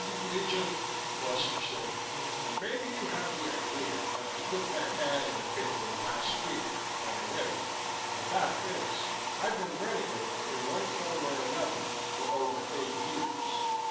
"Legion," Foster said, "maybe you have the idea I put that ad in the paper last week on a whim. The fact is, I've been running it in one form or another for over eight years."